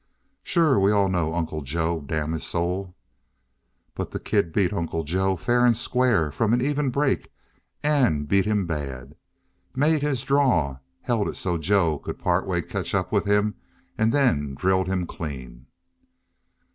"Sure. We all know Uncle Joe damn his soul!" "But the kid beat Uncle Joe fair and square from an even break and beat him bad. Made his draw, held it so's Joe could partway catch up with him, and then drilled him clean!"